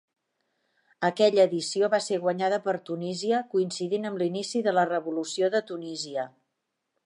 Aquella edició va ser guanyada per Tunísia, coincidint amb l'inici de la Revolució de Tunísia.